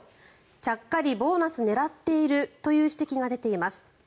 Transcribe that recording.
ちゃっかりボーナス狙っているという指摘が出ています。